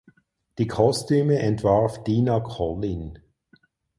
Die Kostüme entwarf Dinah Collin.